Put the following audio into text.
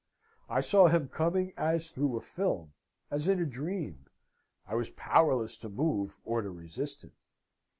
I saw him coming as through a film, as in a dream I was powerless to move, or to resist him.